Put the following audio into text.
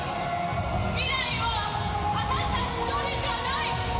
未来はあなた一人じゃない。